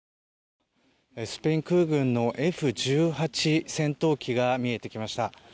スペイン空軍のＦ１８戦闘機が見えてきました。